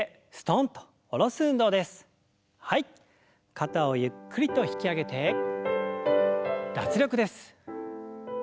肩をゆっくりと引き上げて脱力です。